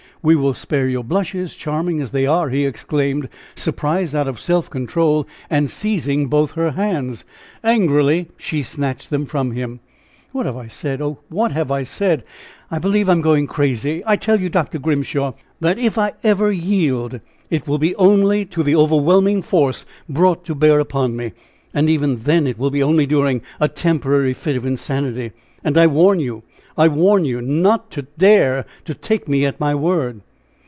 We will spare your blushes, charming as they are!" he exclaimed, surprised out of self control and seizing both her hands. Angrily she snatched them from him. "What have I said? Oh! what have I said? I believe I am going crazy! I tell you, Dr. Grimshaw, that if I ever yield, it will be only to the overwhelming force brought to bear upon me; and even then it will be only during a temporary fit of insanity! And I warn you I warn you not to dare to take me at my word!"